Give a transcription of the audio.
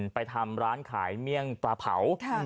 ไปทำร้านขายเมี่ยงปลาเผา